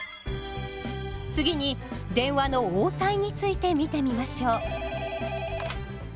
次に電話の応対について見てみましょう。